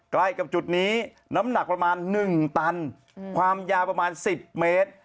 ใกล้กับจุดนี้น้ำหนักประมาณ๑ตันความยาวประมาณ๑๐เมตร